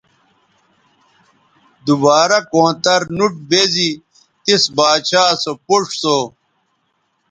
دوبارہ کونتر نوٹ بیزی تس باچھا سو پوڇ سو